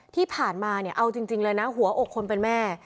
ที่ผ่านมาเนี่ยเอาจริงเลยนะหัวอกคนเป็นแม่